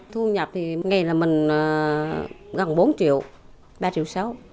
thu nhập thì ngày là mình gần bốn triệu ba triệu sáu